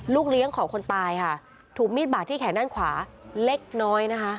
เลี้ยงของคนตายค่ะถูกมีดบาดที่แขนด้านขวาเล็กน้อยนะคะ